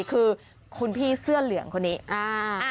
คือคุณพี่เสื้อเหลืองคนนี้